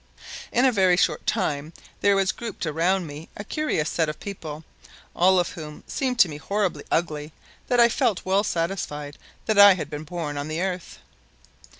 In a very short time there was grouped around me a curious set of people, all of whom seemed to me so horribly ugly that I felt well satisfied that I had been born on the Earth.